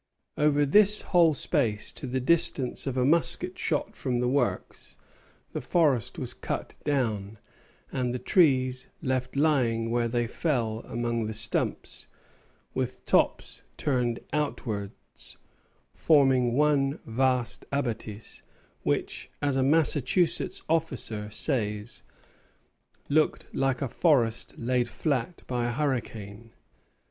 Over this whole space, to the distance of a musket shot from the works, the forest was cut down, and the trees left lying where they fell among the stumps, with tops turned outwards, forming one vast abattis, which, as a Massachusetts officer says, looked like a forest laid flat by a hurricane.